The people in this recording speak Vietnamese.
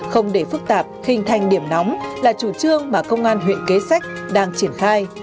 không để phức tạp khinh thành điểm nóng là chủ trương mà công an huyện kế sách đang triển khai